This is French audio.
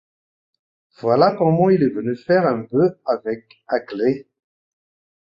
Voilà comment il est venu faire un bœuf avec Aglaé.